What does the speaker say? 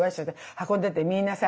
運んでてみんなさ